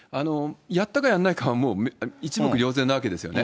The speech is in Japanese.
やったかやんないかは、もう一目瞭然なわけですよね。